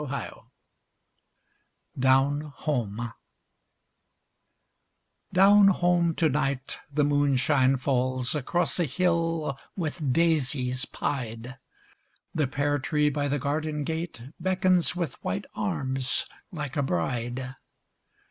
102 DOWN HOME Down home to night the moonshine falls Across a hill with daisies pied, The pear tree by the garden gate Beckons with white arms like a bride.